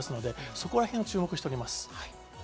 そこらへんに注目しております。